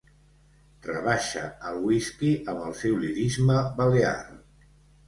Rebaixa el whisky amb el seu lirisme balear.